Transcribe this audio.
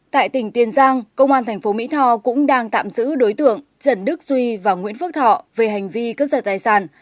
tại tỉnh tiền giang công an thành phố mỹ tho cũng đang tạm giữ đối tượng trần đức duy và nguyễn phước thọ về hành vi cướp giật tài sản